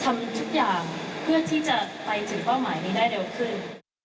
ทำทุกอย่างเพื่อที่จะไปถึงเป้าหมายนี้ได้เร็วขึ้น